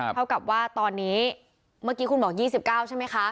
เท่ากับว่าตอนนี้เมื่อกี้คุณบอก๒๙ใช่ไหมคะ